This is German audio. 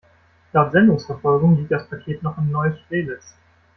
Laut Sendungsverfolgung liegt das Paket noch in Neustrelitz.